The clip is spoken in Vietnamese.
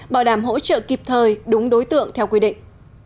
bảo đảm hỗ trợ kịp thời đúng đối tượng theo quy định